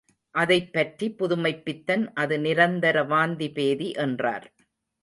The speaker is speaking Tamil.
அதைப் பற்றி புதுமைப்பித்தன், அது நிரந்தர வாந்திபேதி என்றார்.